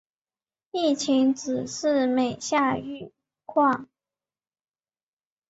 病情只是每下愈况